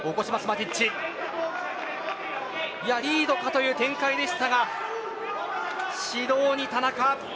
リードかという展開でしたが指導２、田中。